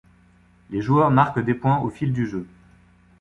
Les joueurs marquent des points au fil du jeu.